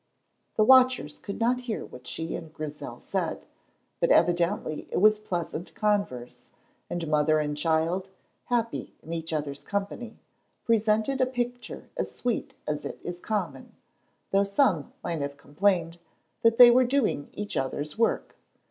The watchers could not hear what she and Grizel said, but evidently it was pleasant converse, and mother and child, happy in each other's company, presented a picture as sweet as it is common, though some might have complained that they were doing each other's work.